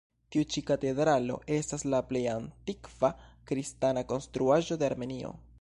Tiu ĉi katedralo estas la plej antikva kristana konstruaĵo de Armenio.